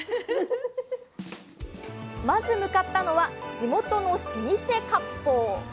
まず向かったのは地元の老舗割烹！